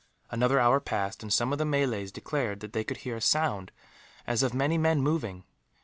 Another hour passed, and some of the Malays declared that they could hear a sound as of many men moving.